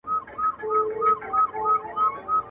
نو مو لاس وي له وحشيی نړۍ پرېولی.